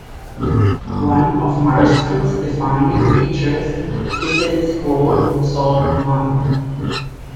One of Marston's defining features is its old salt mine.